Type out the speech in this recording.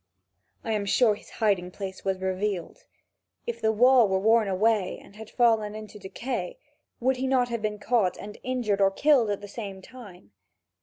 I am sure his hiding place was revealed. If the wall were worn away and had fallen into decay, would he not have been caught and injured or killed at the same time?